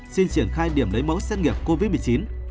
xin triển khai điểm lấy mẫu xét nghiệm covid một mươi chín